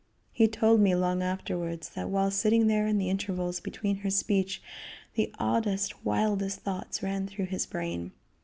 He told me long afterwards that while sitting there in the intervals between her speech, the oddest, wildest thoughts ran through his brain.